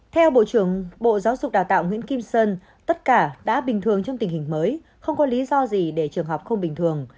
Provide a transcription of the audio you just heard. theo bộ trưởng bộ giáo dục đào tạo nguyễn kim sơn tất cả đã bình thường trong tình hình mới không có lý do gì để trường học không bình thường